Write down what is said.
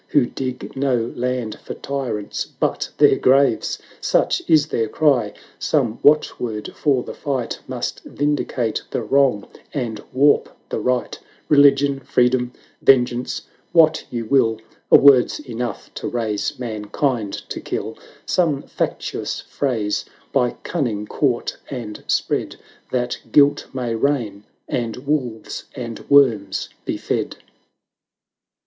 Who dig no land for tyrants but their graves ! Such is their cry — some watchword for the fight Must vindicate the wrong, and warp the right; Religion — Freedom — Vengeance — what you will, A word's enough to raise Mankind to kill; Some factious phrase by cunning caught and spread, That Guilt may reign — and wolves and worms be fed!